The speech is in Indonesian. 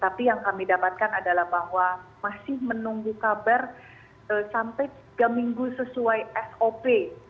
tapi yang kami dapatkan adalah bahwa masih menunggu kabar sampai tiga minggu sesuai sop